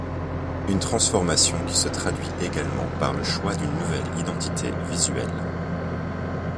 Une transformation qui se traduit également par le choix d’une nouvelle identité visuelle.